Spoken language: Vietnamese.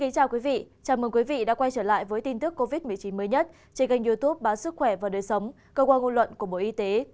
chào mừng quý vị đã quay trở lại với tin tức covid một mươi chín mới nhất trên kênh youtube báo sức khỏe và đời sống cơ quan ngôn luận của bộ y tế